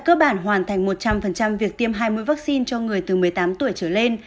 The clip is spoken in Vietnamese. cơ bản hoàn thành một trăm linh việc tiêm hai mươi vaccine cho người từ một mươi tám tuổi trở lên